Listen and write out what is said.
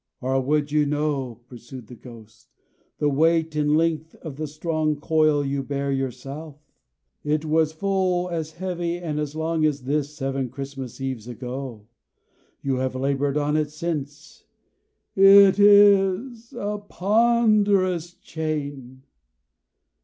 "Or would you know," pursued the Ghost, "the weight and length of the strong coil you bear yourself? It was full as heavy and as long as this, seven Christmas Eves ago. You have labored on it since. It is a ponderous chain!"